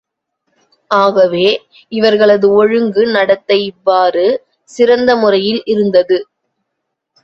ஆகவே, இவர்களது ஒழுங்கு நடத்தை இவ்வாறு சிறந்த முறையில் இருந்தது.